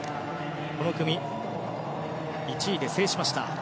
この組、１位で制しました。